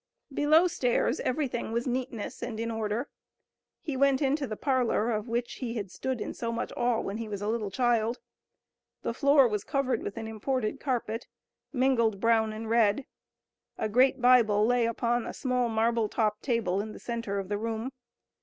Below stairs everything was neatness and in order. He went into the parlor, of which he had stood in so much awe, when he was a little child. The floor was covered with an imported carpet, mingled brown and red. A great Bible lay upon a small marble topped table in the center of the room.